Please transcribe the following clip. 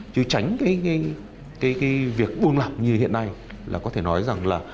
chứ tránh cái việc buông lặp như hiện nay là có thể nói rằng là